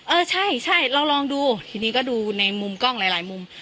เออใช่ใช่ลองดูทีนี้ก็ดูในมุมกล้องหลายมุม